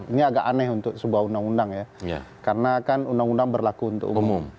ini agak aneh untuk sebuah undang undang ya karena kan undang undang berlaku untuk umum